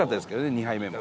２杯目も。